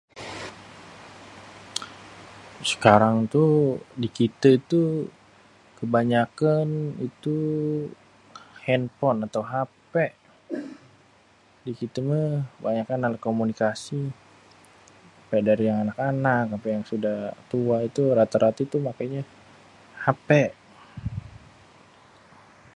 sekarang tu di kité tuh kebanyakan itu henpon atau hp. di kte mah banyakan anak komunikasi mulai dari anak anak ampé yang udah tua itu rata-rata itu makénya hp